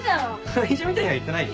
怪獣みたいには言ってないよ。